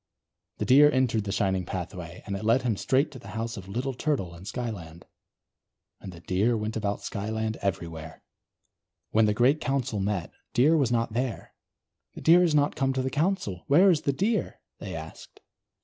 The Deer entered the shining pathway, and it led him straight to the house of Little Turtle in Skyland. And the Deer went about Skyland everywhere. When the great Council met, Deer was not there. "The Deer is not come to the Council, where is the Deer?" they asked.